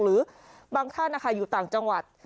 หรือบางท่านนะคะอยู่ต่างจังหวัด